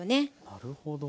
なるほど。